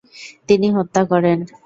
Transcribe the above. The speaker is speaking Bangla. তিনি হত্যা করেন।